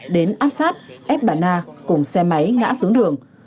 đến áp sát ép bà na cùng xe máy ngã xuống đường